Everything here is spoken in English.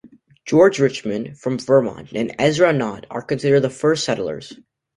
George Richmond, from Vermont, and Ezra Nott are considered the first settlers.